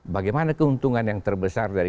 bagaimana keuntungan yang terbesar dari